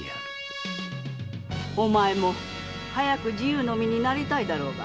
お前も早く自由の身になりたいだろうが。